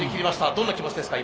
どんな気持ちですか？